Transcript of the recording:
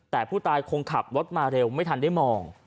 แต่ผู้ตายคงขับรถมาเร็วไม่ทันได้มอง